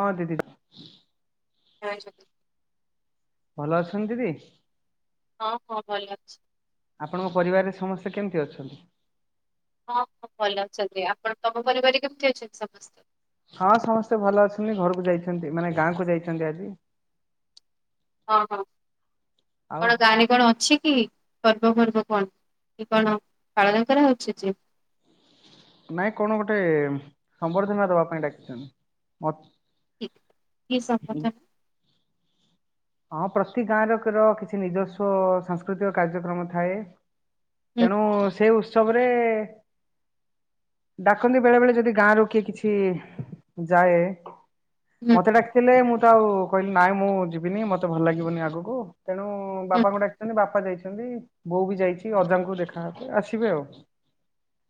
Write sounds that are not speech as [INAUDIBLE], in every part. ହଁ ଦିଦିି। [UNINTELLIGIBLE] ଭଲ ଅଛନ୍ତି ଦିଦି? ହଁ ହଁ ଭଲ ଅଛି। ଆପଣଙ୍କ ପରିବାରରେ ସମସ୍ତେ କେମତି ଅଛନ୍ତି? ହଁ ହଁ ଭଲ ଅଛନ୍ତି ଆପଣ ତମ ପରିବାରରେ କେମତି ଅଛନ୍ତି ସମସ୍ତେ? ହଁ ସମସ୍ତେ ଭଲ ଅଛନ୍ତି ଘରକୁ ଯାଇଛନ୍ତି ମାନେ ଗାଁକୁ ଯାଇଛନ୍ତି ଆଜି। ଅ ହଁ ଆଉ କଣ ଗାଁ ରେ କଣ ଅଛି କି? ପର୍ବଫର୍ବ କଣ କି କଣ ପାଳନ କରାହଉଛି ଯେ? ନାଇଁ କଣ ଗୋଟେ ସମ୍ବର୍ଦ୍ଧନା ଦବା ପାଇଁ ଡାକିଛନ୍ତି ମତ [INAUDIBLE] କି ସମର୍ଥନ? ହଁ ପ୍ରତି ଗାଁର କର କିଛି ନିଜସ୍ୱ ସାଂସ୍କୃତିକ କାର୍ଯ୍ୟକ୍ରମ ଥାଏ। ହୁଁ ତେଣୁ ସେ ଉତ୍ସବରେ ଡାକନ୍ତି ବେଳେ ବେଳେ ଯଦି ଗାଁରୁ କିଏ କିଛି ଯାଏ ହୁଁ ମତେ ଡାକିଥିଲେ ମୁଁ ତ ଆଉ କହିଲି ନାଇଁ ମୁଁ ଯିବିନି ମତେ ଭଲ ଲାଗିବନି ଆଗକୁ ତେଣୁ ହୁଁ ବାପାଙ୍କୁ ଡାକିଛନ୍ତି ବାପା ଯାଇଛନ୍ତି ବୋଉ ବି ଯାଇଛି ଅଜାଙ୍କୁ ଦେଖା ହେବେ ଆସିବେ ଆଉ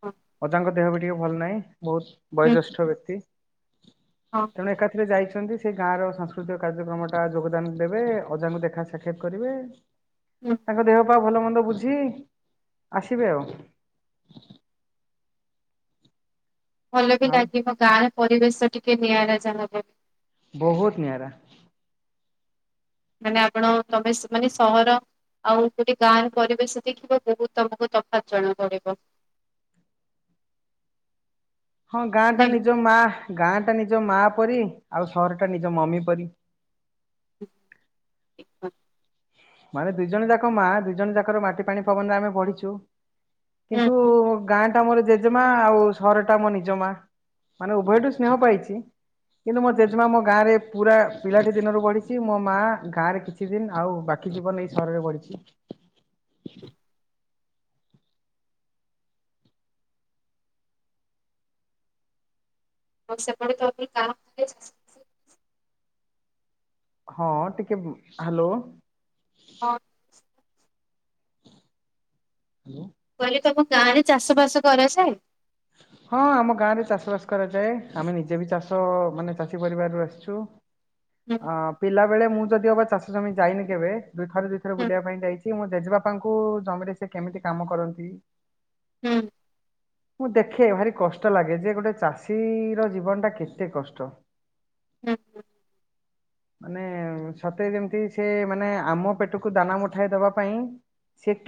ହଁ ଅଜାଙ୍କ ଦେହ ବି ଟିକେ ଭଲ ନାହିଁ ବହୁତ ହୁଁ ବୈଜ୍ୟେଷ୍ଠ ବ୍ୟକ୍ତି ହଁ ହଁ। ତେଣୁ ଏକାଥରେ ଯାଇଛନ୍ତି ସେ ଗାଁ ର ସାଂସ୍କୃତିକ କାର୍ଯ୍ୟକ୍ରମ ଟା ଯୋଗଦାନ ତେବେ ଅଜାଙ୍କୁ ଦେଖା ସାକ୍ଷାତ କରିବେ ହୁଁ ତାଙ୍କ ଦେହ ପା ଭଲ ମନ୍ଦ ବୁଝି ଆସିବେ ଆଉ ଭଲ ବି ଆଉ ଲାଗିବ ଗାଁ ପରିବେଶ ଟିକେ ନିଆରା ଯାହା [INAUDIBLE] ବହୁତ ନିଆରା। ମାନେ ଆପଣ ତମେ ମାନେ ସହର ଆଉ ଗୋଟେ ଗାଁ ର ପରିବେଶ ଦେଖିବ ବହୁତ ତମକୁ ତଫାତ୍ ଜଣା ପଡିବ। ହଁ ଗାଁ ଟା ନାଇଁ। ନିଜ ମା ଗାଁ ଟା ନିଜ ମା ପରି ଆଉ ସହର ଟା ନିଜ ମମି ପରି। [UNINTELLIGIBLE] ମାନେ ଦୁଇ ଜଣ ଯାକ ମା ଦୁଇ ଜଣ ଯାକର ମାଟି ପାଣି ପବନରେ ଆମେ ବଢିଛୁ କିନ୍ତୁ ହୁଁ ଗାଁ ଟା ମୋର ଜେଜେମା ଆଉ ସହର ଟା ମୋ ନିଜ ମା। ମାନେ ଉଭୟଠୁ ସ୍ନେହ ପାଇଛି କିନ୍ତୁ ମୋ ଜେଜେମା ମୋ ଗାଁ ରେ ପୁରା ପିଲାଟି ଦିନରୁ ବଢ଼ିଛି ମୋ ମାଆ ଗାଁରେ କିଛି ଦିନ ଆଉ ବାକି ଜୀବନ ଏଇ ସହରରେ ବଢିଛି। ଆଉ ସେପଟେ ତ [INAUDIBLE] ହଁ ଟିକେ ହାଲୋ। ହଁ। ହାଲୋ। କହିଲେ ତମ ଗାଁରେ ଚାଷ ବାସ କରାଯାଏ? ହଁ ଆମ ଗାଁରେ ଚାଷ ବାସ କରାଯାଏ ଆମେ ନିଜେବି ଚାଷ ମାନେ ଚାଷୀ ପରିବାରରୁ ଆସିଚୁ। ହୁଁ ଅ ପିଲା ବେଳେ ମୁଁ ଯଦି ଅବା ଚାଷ ଜମି ଯାଇନି କେବେ ଦୁଇଥର ଦୁଇ ଥର ହୁଁ ବୁଲିବା ପାଇଁ ଯାଇଚି ମୋ ଜେଜେବାପାଙ୍କୁ ଜମିରେ ସେକେମିତି କାମ କରନ୍ତି। ହୁଁ। ମୁଁ ଦେଖେ ଭାରି କଷ୍ଟ ଲାଗେ ଯେଗୋଟେ ଚାଷୀର ଜୀବନଟା କେତେ କଷ୍ଟ। ହୁଁ ହୁଁ। [INAUDIBLE] ମାନେ ସତେ ଯେମିତି ସେମାନେ ଆମ ପେଟକୁ ଦାନା ମୁଠାଇ ଦବା ପାଇଁ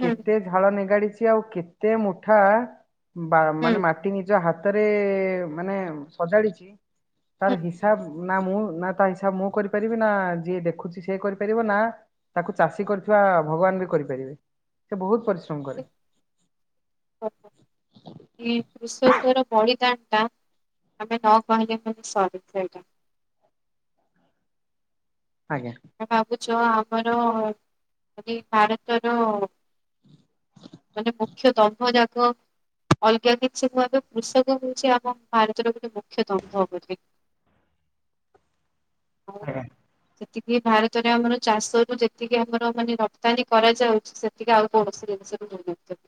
ହୁଁ ହୁଁ ଝାଳ ନିଗାଡ଼ିଛି ଆଉ କେତେ ମୁଠା ବା ହୁଁ। ମାନେ ମାଟି ନିଜ ହାତରେ ମାନେ ସଜାଡ଼ିଚି ହୁଁ ତାର ହିସାବ ନା ମୁଁ ନା ତାହିସାବ ମୁଁ କରି ପାରିବିନା ଯିଏ ଦେଖୁଛି ସିଏ କରିପାରିବ ନା, ତାକୁ ଚାଷୀ କରିଥିବା ଭଗବାନବି କରିପାରିବେ। ସେବହୁତ ପରିଶ୍ରମ କ ହଁ ଏଇ କୃଷକର ବଳିଦାନଟା ଆମେ ନକହିଲେ ମାନେ ସରିଥାଆନ୍ତା। ଆଜ୍ଞା। ଉଁ ଭାବୁଛ ଆମର ଯଦି ଭାରତର ମାନେ ମୁଖ୍ୟ ଦମ୍ଭଯାକ ଅଲଗା କିଛି କୁହନ୍ତୁ କୃଷକ ହଉଚି ଆମ ଭାରତର ଗୋଟେ ମୁଖ୍ୟ ଦମ୍ଭ ପରି। ଆଜ୍ଞା। ତିକି ଭାରତରେ ଆମର ଚାଷରୁ ଯେତିକି ଆମର ମାନେ ରପ୍ତାନୀ କରାଯାଉଛି ସେ ତିକେ ଆଉ କୌଣସି ଜିନିଷରେ ହଉନଥିବ।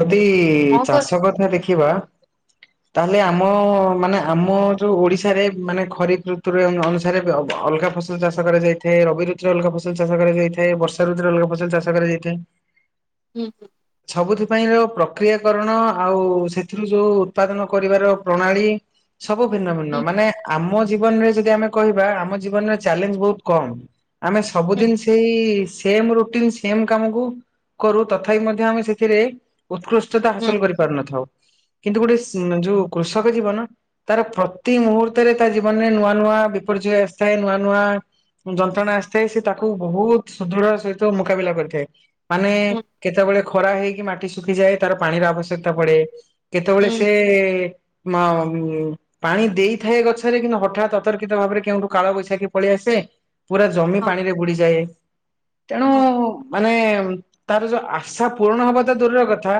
ଯଦି ହଁ କର ଚାଷ କଥା ଦେଖିବା। ତାହେଲେ ଆମ ମାନେ ଆମ ଯୋଉ ଓଡିଶାରେ ମାନେ ଖରିପ ଋତୁରେ ଅନୁ ଅନୁସାରେ ବେ ବ ଅଲଗା ଫସ ତୁ ଚାଷ କରାଯାଇଥାଏ ରବି ଋତୁରେ ଅଲଗା ଫସଲ ଚାଷ କରାଯାଇଥାଏ ବର୍ଷା ଋତୁରେ ଅଲଗା ଫସଲ ଚାଷ କରାଯାଇଥାଏ। [INAUDIBLE] ହୁଁ ହୁଁ। ସବୁଥି ପାଇଁର ପ୍ରକ୍ରିୟାକରଣ ଆଉ ସେଥିରୁ ଯୋଉ ଉତ୍ପାଦନ କରିବାର ପ୍ରଣାଳୀ। ସବୁ ଭିନ୍ନ-ଭିନ୍ନ ହୁଁ ମାନେ ଆମ ଜୀବନରେ ଯଦି ଆମେ କହିବା ଆମ ଜୀବନରେ ଚ୍ୟାଲେଞ୍ଜ ବହୁତ୍ କମ୍। ଆମେ ସବୁ ହୁଁ ଦିନଶି ହେଇ ସେମ୍ ରୁଟିନ୍ ସେମ୍ କାମକୁ କରୁ ତଥାପି ମଧ୍ୟ ଆମେ ସେଥିରେ ଉତ୍କୃଷ୍ଟତା ହୁଁ ହାସଲ କରିପାରୁନଥାଉ, କିନ୍ତୁ ଗୋଟେ ହୁଁ। ସି ଯୋଉ କୃଷକ ଜୀବନ ତାର ପ୍ରତି ମୁହୂର୍ତ୍ତରେ ତା ଜୀବନରେ ନୂଆ-ନୂଆ ବିପର୍ଯ୍ୟୟ ଆସିଥାଏ ନୂଆ-ନୂଆ ଯନ୍ତ୍ରଣା ଆସିଥାଏ ସେ ତାକୁ ବହୁତ ସୁଦୃଢ ସହିତ ମୁକାବିଲା କରିଥାଏ। ମାନେ କେତେବେଳେ ଖରା ହେଇକି ମାଟି ଶୁଖିଯାଏ ତାର ପାଣିର ଆବଶ୍ୟକତା ପଡ଼େ କେତେବେଳେ ହୁଁ ସେ ମଉଁ ପାଣି ଦେଇଥାଏ ଗଛରେ କିନ୍ତୁ ହଠାତ୍ ଅତର୍କିତ ଭାବରେ କେଉଁଠୁ କାଳବୈଶାଖୀ ପଳିଆସେ ପୁରା ଜମି ହଁ ପାଣିରେ ବୁଡିଯାଏ ତେଣୁ ହଁ ମାନେ ତାର ଯୋଉ ଆଶା ପୂରଣ ହବାତ ଦୂରର କଥା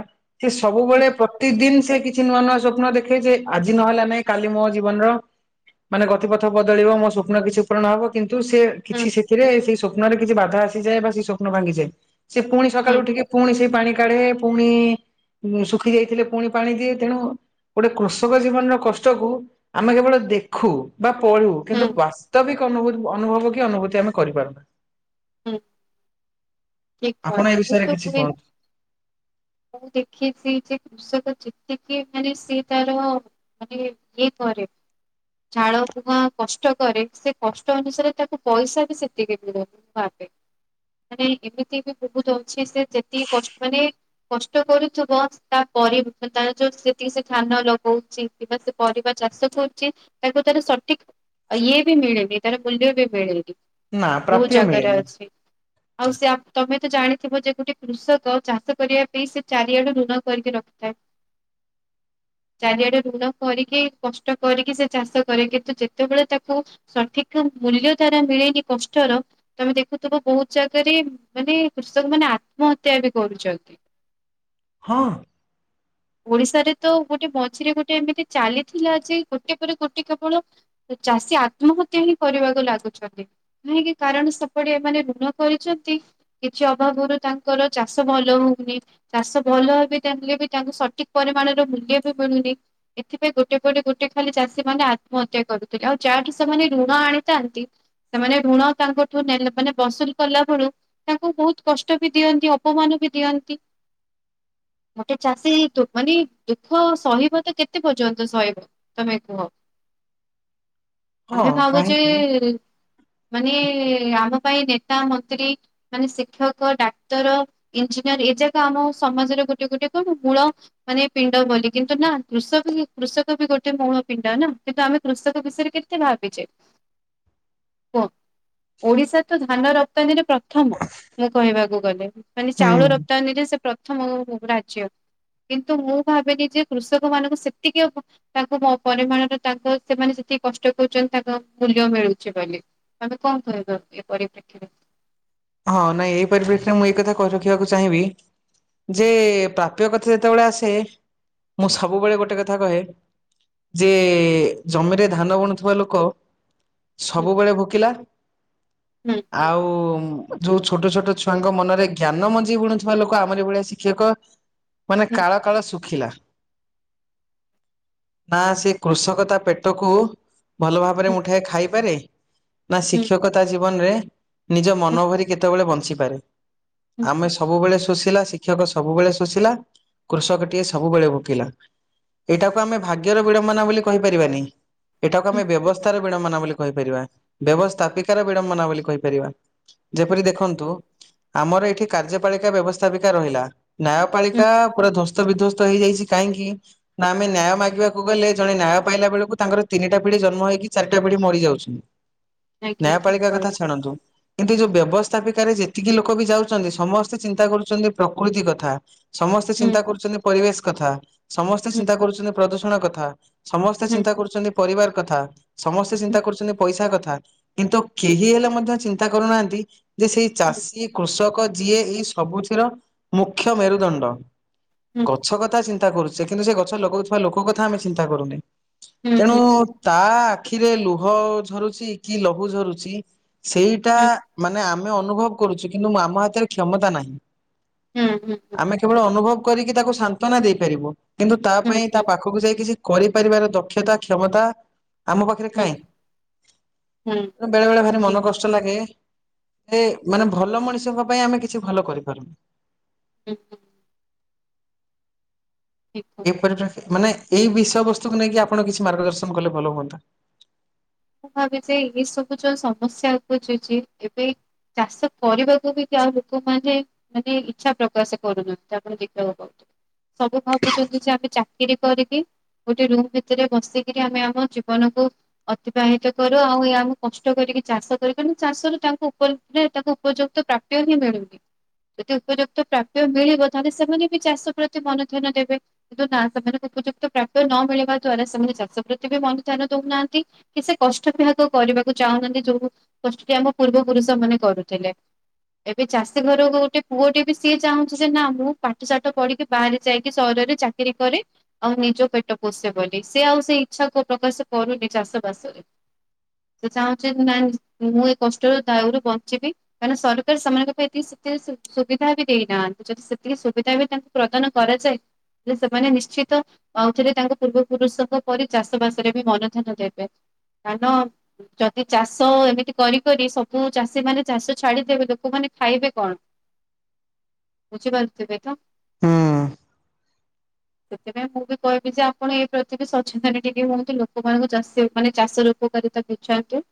ସେ ହୁଁ ସବୁବେଳେ ପ୍ରତିଦିନ ସେକିଛି ନୂଆ-ନୂଆ ସ୍ୱପ୍ନ ଦେଖେଯେ ଆଜି ନହେଲା ନାଇଁ କାଲି ମୋ ଜୀବନର ମାନେ ଗତିପଥ ବଦଳିବ ମୋ ସ୍ୱପ୍ନ କିଛି ପୂରଣ ହବ କିନ୍ତୁ ସେ କିଛି ହୁଁ ସେଥିରେ ସେଇ ସ୍ଵପ୍ନରେ କିଛି ବାଧା ଆସିଯାଏ ବା ସେ ସ୍ୱପ୍ନ ଭାଙ୍ଗିଯାଏ। ସେ ପୁଣି ହୁଁ ସକାଳୁ ଉଠିକି ପୁଣି ସେଇ ପାଣି କାଢେ ପୁଣି ଉଁ ଶୁଖି ଯାଇଥିଲେ ପୁଣି ପାଣି ଦିଏ। ତେଣୁ ଗୋଟେ କୃଷକ ଜୀବନର କଷ୍ଟକୁ ଆମେ କେବଳ ଦେଖୁ। ବା ପଳୁ ହୁଁ କିନ୍ତୁ ବାସ୍ତବିକ ଅନୁଭୂ ଅନୁଭବକି ଅନୁଭୂତି ଆମେ କରିପାରୁନା। ହୁଁ ଠିକ୍ ଆପଣ ଏ ପଏଣ୍ଟ ବିଷୟରେ କିନ୍ତୁ କିଛି ପୁଣି କୁହନ୍ତୁ ମୁଁ ଦେଖିଚି ଯେ କୃଷକ ଯେତିକି ମାନେ ସେ ତାର ମାନେ ଇଏ କରେ ଝାଳ ବୁହା କଷ୍ଟ କରେ ସେ କଷ୍ଟ ଅନୁସାରେ ତାକୁ ପଇସା ବି ସେତିକି ମିଳୁନି। ଭାବେ ମାନେ ଏମିତି ବି ବୋହୁତ ଅଛି ସେ ଯେତିକି କଷ୍ ମାନେ କଷ୍ଟ କରୁଥୁବ ତାପରେ ବି ମାନେ ତାର ଯୋଉ ସେତିକି ସେ ଧାନ ଲଗଉଚି କିବା ସେ ପରିବା ଚାଷ କରୁଚି ତାକୁ ତାର ସଠିକ୍ ଆ ଇଏ ବି ମିଳେନି ତାର ମୂଲ୍ୟ ବି ମିଳେନି ନା ବୋହୁ ପ୍ରାପ୍ୟ ଜାଗାରେ ମିଳେନି ଅଛି। ଆଉ ସେଆ ତମେ ତ ଜାଣିଥିବ ଯେ ଗୋଟେ କୃଷକ ଚାଷ କରିବା ପାଇଁ ସେ ଚାରିଆଡୁ ଋଣ କରିକି ରଖିଥାଏ। ଚାରିଆଡେ ଋଣ କରିକି କଷ୍ଟ କରିକି ସେ ଚାଷ କରେ, କିନ୍ତୁ ଯେତବେଳେ ତାକୁ ସଠିକ୍ ର ମୂଲ୍ୟ ତାରା ମିଳେନି କଷ୍ଟର ତମେ ଦେଖୁଥୁବ ବୋହୁତ ଜାଗାରେ ମାନେ କୃଷକ ମାନେ ଆତ୍ମହତ୍ୟା ବି କରୁଚନ୍ତି। ହଁ? ଓଡ଼ିଶାରେ ତ ଗୋଟେ ମଝିରେ ଗୋଟେ ଏମିତି ଚାଲିଥିଲା ଯେ ଗୋଟେ ପରେ ଗୋଟେ କେବଳ ଏ ଚାଷୀ ଆତ୍ମହତ୍ୟା ହିଁ କରିବାକୁ ଲାଗୁଛନ୍ତି। ନାହିଁକି କାରଣ ସେପଟେ ଏମାନେ ଋଣ କରିଛନ୍ତି। କିଛି ଅଭାବରୁ ତାଙ୍କର ଚାଷ ଭଲ ହୋଉନି। ଚାଷ ଭଲ ହେବେ ଚାହିଁଲେ ବି ତାଙ୍କୁ ସ ଠିକ୍ ପରିମାଣର ମୂଲ୍ୟ ବି ମିଳୁନି। ଏଥିପାଇଁ ଗୋଟେ ପରେ ଗୋଟେ ଖାଲି ଚାଷୀ ମାନେ ଆତ୍ମହତ୍ୟା କରୁଥିଲେ। ଆଉ ଯାହାଠୁ ସେମାନେ ଋଣ ଆଣିଥାନ୍ତି ସେମାନେ ଋଣ ତାଙ୍କଠୁ ନେଲେ ମାନେ ବସୁଲ କଲା ବଳୁ ତାଙ୍କୁ ବୋହୁତ କଷ୍ଟ ବି ଦିଅନ୍ତି। ଅପମାନ ବି ଦିଅନ୍ତି। ଗୋଟେ ଚାଷୀ ତୁ ମାନେ ଦୁଃଖ ସହିବ ତ କେତେ ପର୍ଯ୍ୟନ୍ତ ସହିବ ତମେ କୁହ। ହଁ ଆମେ ଭାବୁଚେ କାହିଁକି ମାନେ ଆମ ପାଇଁ ନେତା, ମନ୍ତ୍ରୀ ମାନେ ଶିକ୍ଷକ, ଡାକ୍ତର ଇଞ୍ଜିନିୟର ଏ ଯାକ ଆମ ସମାଜର ଗୋଟେ ଗୋଟେ କଣ ମୂଳ ମାନେ ପିଣ୍ଡ ବୋଲି କିନ୍ତୁ ନାଁ କୃଷକ ହିଁ କୃଷକ ବି ଗୋଟେ ମୂଳ ପିଣ୍ଡ ନାଁ କିନ୍ତୁ ଆମେ କୃଷକ ବିଷୟରେ କେ ତେ ଭାବିଚେ। କୁହ ଓଡ଼ିଶା ତ ଧାନ ରପ୍ତାନୀରେ ପ୍ର ଥମ ଏହା କହିବାକୁ ଗଲେ ମାନେ ଚାଉଳ ହୁଁ ରପ୍ତାନୀରେ ସେ ପ୍ରଥମ ଓ ରାଜ୍ୟ। କିନ୍ତୁ ମୁଁ ଭାବେନି ଯେ କୃଷକମାନଙ୍କୁ ସେତିକି ଅବ ତାଙ୍କୁ ମୋ ପରିମାଣର ତାଙ୍କ ସେମାନେ ସେତିକି କଷ୍ଟ କରୁଚନ୍ତି ତାଙ୍କ ମୂଲ୍ୟ ମିଳୁଚି ବୋଲି। ଆମେ କଁ କହିବା ଏ ପରିପ୍ରେକ୍ଷୀରେ? ହଁ ନାଇଁ ଏଇ ପରିପ୍ରେକ୍ଷୀରେ ମୁଁ ଏଇ କଥା କହି ରଖିବାକୁ ଚାହିଁବି ଯେ ପ୍ରାପ୍ୟ କଥା ଯେତବେଳେ ଆସେ ମୁଁ ସବୁବେଳେ ଗୋଟେ କଥା କହେ ଯେ ଜମିରେ ଧାନ ବୁଣୁଥୁବା ଲୋକ ସବୁବେଳେ ଭୋକିଲା ହୁଁ ଆଉ ଯୋଉ ଛୋଟ ଛୋଟ ଛୁଆଙ୍କ ମନରେ ଜ୍ଞାନ ମଞ୍ଜି ବୁଣୁଥୁବା ଲୋକ ଆମରି ଭଳିଆ ଶିକ୍ଷକ। ମାନେ ହୁଁ କାଳ କାଳ ଶୁଖିଲା। ନା ସେ କୃଷକ ତାପେଟକୁ ଭଲ ଭାବରେ ହୁଁ ମୁଠାଏ ଖାଇପାରେ ନା ହୁଁ ଶିକ୍ଷକ ତାଜୀବନରେ ନିଜ ହୁଁ ମନଭରି ବଞ୍ଚିପାରେ ହୁଁ ଆମେ ସବୁବେଳେ ଶୋଷିଲା ଶିକ୍ଷକ ସବୁବେଳେ ଶୋଷିଲା କୃଷକଟିଏ ସବୁବେଳେ ଭୋକିଲା ଏଇଟାକୁ ଆମେ ଭାଗ୍ୟର ବିଡ଼ମ୍ବନା ବୋଲି କହିପାରିବାନି। ଏଟାକୁ ହୁଁ ହୁଁ ଆମେ ବ୍ୟବସ୍ଥାର ବିଳମ୍ବନା ବୋଲି କହିପାରିବା ବ୍ୟବସ୍ଥାପିକାର ବିଡ଼ମ୍ବନା ବୋଲି କହିପାରିବା। ଯେପରି ଦେଖନ୍ତୁ ଆମର ଏଠି କାର୍ଯ୍ୟପାଳିକା ବ୍ୟବସ୍ଥାପିକା ରହିଲା। ହୁଁ ନ୍ୟାୟପାଳିକା ପୁରା ଧ୍ୱସ୍ତ ବିଧ୍ଵସ୍ତ ହେଇଯାଇଚି କାହିଁକି? ନା ଆମେ ନ୍ୟାୟ ମାଗିବାକୁ ଗଲେ ଜଣେ ନ୍ୟାୟ ପାଇଲା ବେଳକୁ ତାଙ୍କର ତିନିଟା ପିଢି ଜନ୍ମ ହେଇକି ଚାରିଟା ପିଢି ମରିଯାଉଛି। ଆଜ୍ଞା ଠିକ ନ୍ୟାୟପାଳିକା କଥା କହିଲେ। ଛାଡ଼ନ୍ତୁ। ଏଠି ଯୋଉ ବ୍ୟବସ୍ଥାପିକାରେ ଯେତିକି ଲୋକବି ଯାଉଚନ୍ତି ସମସ୍ତେ ଚିନ୍ତା କରୁଚନ୍ତି ପ୍ରକୃତି କଥା। ସମସ୍ତେ ହୁଁ ଚିନ୍ତା କରୁଚନ୍ତି ପରିବେଶ କଥା ସମସ୍ତେ ହୁଁ ଚିନ୍ତା କରୁଚନ୍ତି ପ୍ରଦୂଷଣ କଥା ସମସ୍ତେ ହୁଁ ଚିନ୍ତା କରୁଚନ୍ତି ପରିବାର କଥା। ସମସ୍ତେ ହୁଁ ଚିନ୍ତା କରୁଚନ୍ତି ପଇସା କଥା କିନ୍ତୁ ହୁଁ କେହି ହେଲେ ମଧ୍ୟ ଚିନ୍ତା କରୁନାହାନ୍ତି ଯେସେଇ ହୁଁ ହୁଁ ଚାଷୀ କୃଷକ ଯିଏ ଏଇ ସବୁଥିର ମୁଖ୍ୟ ମେରୁଦଣ୍ଡ ହୁଁ ଗଛ କଥା ଚିନ୍ତା କରୁଚେ କିନ୍ତୁ ସେଗଛ ଲଗଉଥିବା ଲୋକକଥା ଆମେ ଚିନ୍ତା କରୁନେ ହୁଁ ତେଣୁ ହୁଁ ହୁଁ ହୁଁ ତା ଆଖିରେ ଲୁହ ଝରୁଚି କିଲହୁ ଝରୁଚି ସେଇ ଟା ମାନେ ଆମେ ଅନୁଭବ କରୁଚୁ କିନ୍ତୁ ମୁ ଆମ ହାତେରେ କ୍ଷମତା ନାହିଁ। ହୁଁ ହୁଁ ହୁଁ। ଆମେ କେବଳ ଅନୁଭବ କରିକି ତାକୁ ସାନ୍ତ୍ୱନା ଦେଇପାରିବୁ କିନ୍ତୁ ହୁଁ ହୁଁ ତାପାଇଁ ହୁଁ ତା ପା ପାଖକୁ ଯାଇ କିଛି କରିପାରିବାର ଦକ୍ଷତା କ୍ଷମତା ଆମ ପାଖରେ କାଇଁ। ବେଳେ ବେଳେ ଭାରି ମନ କଷ୍ ଠିକ ଷ୍ଟ ଲାଗେ ହୁଁ ଯେମାନେ ଭଲ ମଣିଷଙ୍କ ପାଇଁ ଆମେ କିଛି ଭଲ କରିପାରୁନୁ। ହୁଁ ହୁଁ। ଠିକ୍। ପାନେ ଏଇ ବିଷୟବସ୍ତୁକୁ ନେଇକି ଆପଣ କିଛି ମାର୍ଗଦର୍ଶନ କଲେ ଭଲ ହୁଅନ୍ତା? ମୁଁ ଭାବିଚି ଏଇ ସବୁ ଯୋଉ ସମସ୍ୟା ଉପୁଜୁଚି ଏବେ ଚାଷ କରିବାକୁବି ଯାହା ଲୋକମାନେ ମାନେ ଇଚ୍ଛା ପ୍ରକାଶ କରୁନହାନ୍ତି ଆପଣ ଦେଖିବାକୁ ପାଉଚୁ। ସବୁ ଭାବୁଚନ୍ତିଯେ ଆମେ ଚାକିରି କରିକି ଗୋଟେ ରୁମ୍ ଭିତରେ ବସିକିରି ଆମେ ଆମ ଜୀବନକୁ ଅତିବାହିତ କରୁ ଆଉ ଏହାମକୁ କଷ୍ଟ କରିକି ଚାଷ କରୁ କିନ୍ତୁ ଚାଷରେ ତାଙ୍କୁ ତାଙ୍କୁ ଉପଯୁକ୍ତ ପ୍ରାପ୍ [UNINTELLIGIBLE] ଯଦି ଉପଯୁକ୍ତ ପ୍ରାପ୍ୟ ମିଳିବ ତାହେଲେ ସେମାନେବି ଚାଷ ପ୍ରତି ମନ ଧ୍ୟାନ ଦେବେ। କିନ୍ତୁନା ସେମାନଙ୍କୁ ଉପଯୁକ୍ତ ପ୍ରାପ୍୍ୟ ନ ମିଳିବା ଦ୍ଵାରା ସେମାନେ ଚାଷ ପ୍ରତିବି ମନ ଧ୍ୟାନ ଦଉନାହାନ୍ତି। କି ସେ କଷ୍ଟବି ହକୁ କରିବାକୁ ଚାହୁଁନାହାନ୍ତି ଯୋଉ କଷ୍ଟଟି ଆମ ପୂର୍ବ ପୁରୁଷ ମାନେ କରୁଥିଲେ। ଏବେ ଚାଷୀ ଘରକୁ ଗୋଟେ ପୁଅଟିବି ସିଏ ଚାହୁଁଚିଯେ ନା ମୁଁ ପାଠ ସାଠ ପଢିକି ବାହାରେ ଯାଇକି ସହରରେ ଚାକି କିରି କରି ଆଉ ନିଜ ପେଟ ପୋଷେ ବୋଲି ସେଆଉ ସେଇ ଇଚ୍ଛା ପ୍ରକାଶ କରୁନି ଚାଷ ସେଚାହୁଁଚନ୍ତି ନାଇ ମୁଁ ଏଇ କଷ୍ଟରୁ ଦୟରୁ ବଞ୍ଚିବି କାରଣ ସରକାର ସେମାନଙ୍କ ପାଇଁି ସେତିକି ସୁବିଧାବି ଦେଇନାହାନ୍ତି ଯଦି ସେତିକି ସୁବିଧାବି ତା ପ୍ରଦାନ କରାଯାଏ। ଯେସେମାନେ ନିଶ୍ଚିତ ଆଉଥିରେ ତାଙ୍କ ପୂର୍ବ ପୁରୁଷଙ୍କ ପରି ଚାଷ ବାସରେବି ମନ ଧ୍ୟାନ ଦେବେ। ଧାନ ଯଦି ଚାଷ ଏମିତି କରି କରି ସବୁ ଚାଷୀ ମାନେ ଚାଷ ଛାଡ଼ିଦେବେ ଲୋକମାନେ ଖାଇବେ କଣ? [UNINTELLIGIBLE] ବୁଝିପାରୁଥିବେ ତ। ହଁ ସେଥିପାଇଁ ମୁଁ ବି କହିବି ଯେ ଆପଣ ଏଇ ପ୍ରତି ବି ସଚେତନ ଟିକେ ହୁଅନ୍ତୁ ଲୋକମାନାନଙ୍କୁ ଚାଷ ମାନେ ଚାଷର ଉପକାରିତା ତାକୁ ବୁଝାନ୍ତୁ।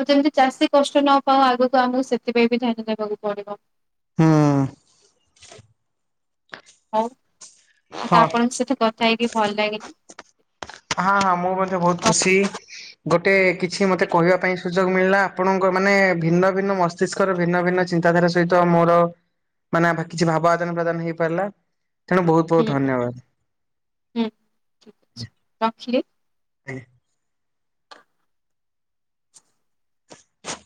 ଆଉ ଯେମିତି ଚାଷୀ କଷ୍ଟ ନ ପାଉ ଆଗକୁ ଆମକୁ ସେଥିପାଇଁ ବି ଧ୍ୟାନ ଦେବାକୁ ପଡିବ। ହଁ ହଉ ମତେ ହଁ। ଆପଣଙ୍କ ସହିତ କଥା ହେଇକି ଭଲ ଲାଗିଲା। ହଁ ହଁ ମୁଁ ମଧ୍ୟ ବହୁତ ରଖ ଖୁସି ଗୋଟେ କିଛି ମତେ ଆଜ୍ଞା କହିବା ପାଇଁ ସୁଯୋଗ ମିଳିଲା ଆପଣଙ୍କ ମାନେ ଭିନ୍ନ ଭିନ୍ନ ମସ୍ତିଷ୍କର ଭିନ୍ନ ଭିନ୍ନ ଚିନ୍ତାଧାରା ସହିତ ମୋର ମାନେ କିଛି ଭାବ ଆଦାନ ପ୍ରଦାନ ହେଇପାରିଲା। ତେଣୁ ବହୁତ ହୁଁ ବହୁତ ଧନ୍ୟବାଦ। ହୁଁ ଠିକ ଅଛି ରଖିଲି। ହଁ